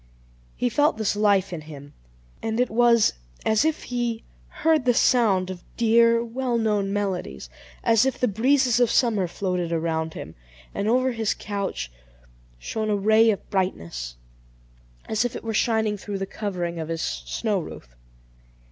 He felt this life in him, and it was as if he heard the sound of dear, well known melodies, as if the breezes of summer floated around him; and over his couch shone a ray of brightness, as if it were shining through the covering of his snow roof.